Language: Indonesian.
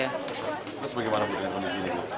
terus bagaimana bu dengan kondisi ini